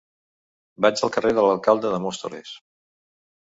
Vaig al carrer de l'Alcalde de Móstoles.